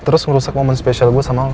terus ngerusak momen spesial gue sama